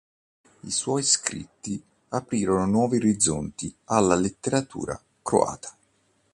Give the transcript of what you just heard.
I suoi scritti aprirono nuovi orizzonti alla letteratura croata.